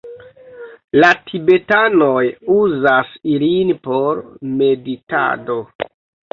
La tibetanoj uzas ilin por meditado.